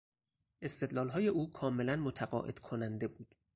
استدلالهای او کاملا متقاعد کننده بود.